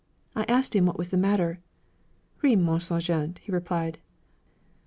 I asked him what was the matter. 'Rien, mon sergent,' he replied.